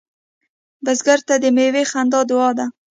بزګر ته د میوې خندا دعا ده